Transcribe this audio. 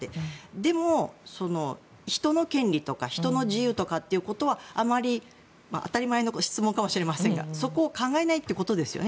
でも、人の権利とか人の自由とかっていうことはあまり当たり前の質問かもしれませんがそこを考えないってことですよね